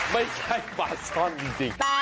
ไม่ใช่ปลาช่อนจริง